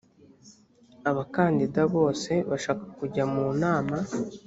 abakandida bose bashaka kujya mu nama